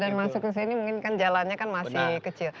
dan masuk ke sini mungkin kan jalannya kan masih kecil